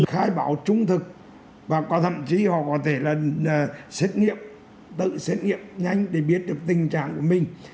khai báo trung thực và có thậm chí họ có thể là xét nghiệm tự xét nghiệm nhanh để biết được tình trạng của mình